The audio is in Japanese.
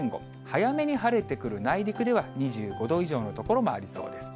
早めに晴れてくる内陸では、２５度以上の所もありそうです。